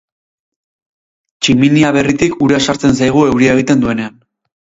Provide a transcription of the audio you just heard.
Tximinia berritik ura sartzen zaigu euria egiten duenean.